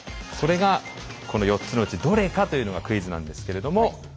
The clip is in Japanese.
それがこの４つのうちどれかというのがクイズなんですけれども。